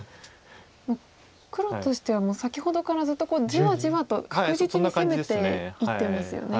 もう黒としては先ほどからずっとじわじわと確実に攻めていってますよね。